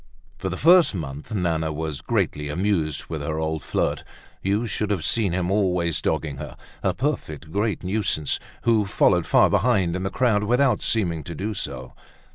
For the first month Nana was greatly amused with her old flirt. You should have seen him always dogging her—a perfect great nuisance, who followed far behind, in the crowd, without seeming to do so.